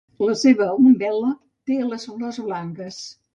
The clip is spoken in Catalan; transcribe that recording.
La seva umbel·la té les flors blanques.